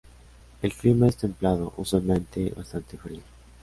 El clima es templado, usualmente bastante frío.